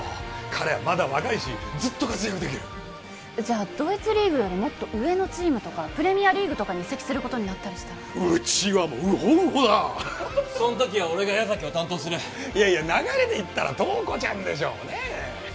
彼はまだ若いしずっと活躍できるじゃあドイツリーグよりもっと上のチームとかプレミアリーグとかに移籍することになったりしたらうちはもうウホウホだそん時は俺が矢崎を担当するいやいや流れでいったら塔子ちゃんでしょねえ